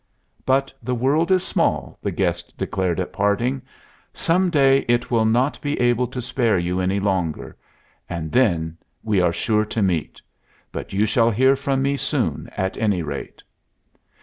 "But the world is small," the guest declared at parting. "Some day it will not be able to spare you any longer. And then we are sure to meet. But you shall hear from me soon, at any rate."